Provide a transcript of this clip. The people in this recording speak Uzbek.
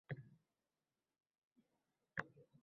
Shu yerga kelganida u qiqirlab kula boshladi…